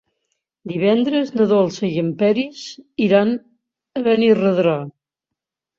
Divendres na Dolça i en Peris iran a Benirredrà.